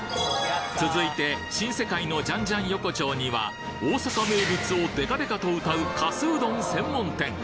続いて新世界のジャンジャン横丁には大阪名物をデカデカとうたうかすうどん専門店！